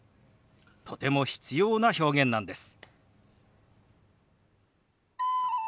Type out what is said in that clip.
とても必要な表現なんです。